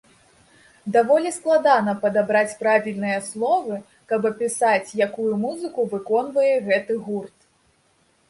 Даволі складана падабраць правільныя словы, каб апісаць, якую музыку выконвае гэты гурт.